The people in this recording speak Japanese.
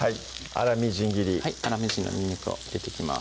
粗みじん切り粗みじんのにんにくを入れていきます